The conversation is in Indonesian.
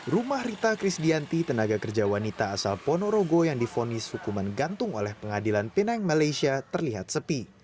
rumah rita krisdianti tenaga kerja wanita asal ponorogo yang difonis hukuman gantung oleh pengadilan pinang malaysia terlihat sepi